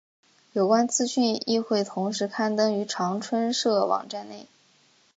有关资讯亦会同时刊登于长春社网站内。